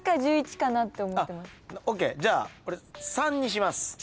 ＯＫじゃあ３にします。